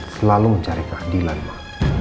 selalu mencari keadilan ma